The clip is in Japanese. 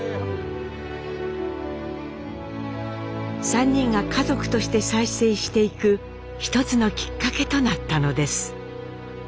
３人が家族として再生していく一つのきっかけとなったのです。